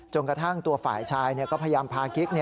กระทั่งตัวฝ่ายชายก็พยายามพากิ๊ก